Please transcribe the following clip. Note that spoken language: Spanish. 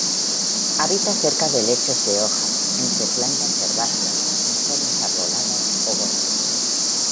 Habita cerca de lechos de hojas, entre plantas herbáceas, en zonas arboladas o bosques.